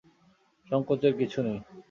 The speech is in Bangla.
সংকোচের কিছু নেই।